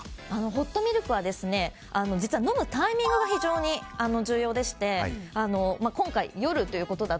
ホットミルクは実は、飲むタイミングが非常に重要でして今回、夜ということで